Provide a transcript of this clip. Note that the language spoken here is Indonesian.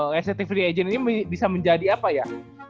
restricted free agent ini bisa menjadi apa ya